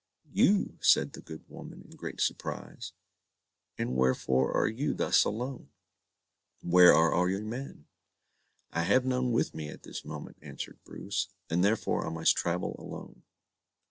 "You!" said the good woman, in great surprise; "and wherefore are you thus alone? where are all your men?" "I have none with me at this moment," answered Bruce, "and therefore I must travel alone."